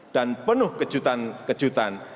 dan penuh kejutan kejutan